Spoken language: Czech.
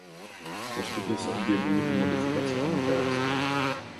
Postupně se objevují i modifikace amatérské.